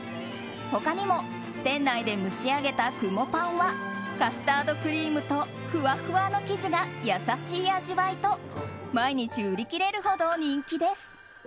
他にも店内で蒸し上げたくもぱんはカスタードクリームとふわふわの生地が優しい味わいと毎日売り切れるほど人気です。